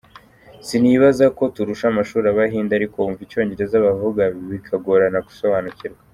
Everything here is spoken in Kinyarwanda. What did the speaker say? Sinibazako turusha amashuri abahinde ariko wumva icyongereza bavuga bikagorana gusobanukirwa.